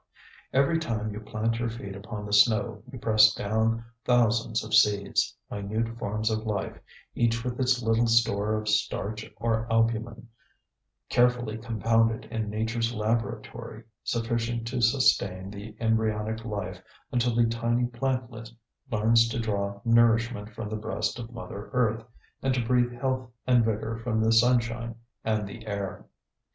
Every time you plant your feet upon the snow you press down thousands of seeds, minute forms of life, each with its little store of starch or albumen, carefully compounded in Nature's laboratory, sufficient to sustain the embryonic life until the tiny plantlet learns to draw nourishment from the breast of Mother Earth and to breathe health and vigor from the sunshine and the air.